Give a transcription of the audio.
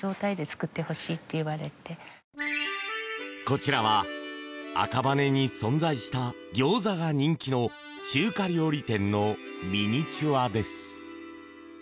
こちらは赤羽に存在したギョーザが人気の中華料理店のミニチュアです。